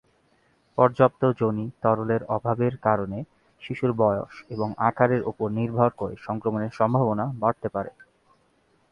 পর্যাপ্ত যোনি তরলের অভাবের কারণে, শিশুর বয়স এবং আকারের উপর নির্ভর করে সংক্রমণের সম্ভাবনা বাড়তে পারে।